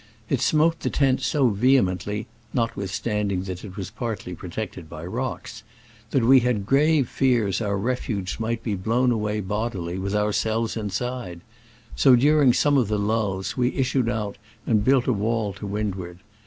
It smote the tent so vehemently (notwithstanding it was partly protected by rocks) that we had grave fears our refuge might be blown away bodily, with ourselves inside ; so, during some of the lulls, we issued out and built a wall to windward.